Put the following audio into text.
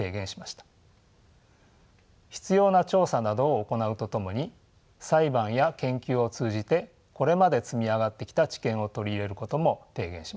必要な調査などを行うとともに裁判や研究を通じてこれまで積み上がってきた知見を取り入れることも提言しました。